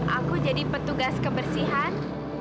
aku jadi petugas kebersihan